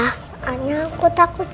soalnya aku takut petir